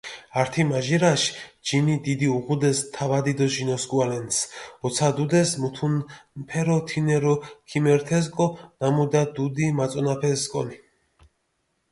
ართიმაჟირაშ ჯინი დიდი უღუდეს თავადი დო ჟინოსქუალენს, ოცადუდეს მუთუნფერო, თინერო ქიმერთესკო ნამუდა დუდი მაწონაფესკონი.